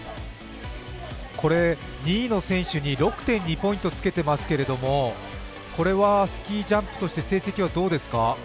２位の選手に６．２ポイントつけていますけれども、これはスキージャンプとして成績はどうですか？